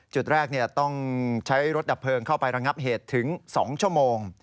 จุดแรกต้องใช้รถดับเพลิงเข้าไประงับเหตุถึง๒ชั่วโมง